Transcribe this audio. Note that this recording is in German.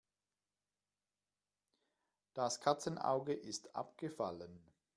Das Katzenauge ist abgefallen.